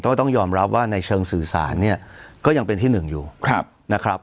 ก็ต้องยอมรับว่าในเชิงสื่อสารเนี่ยก็ยังเป็นที่หนึ่งอยู่นะครับ